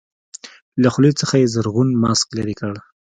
له خولې څخه يې زرغون ماسک لرې کړ.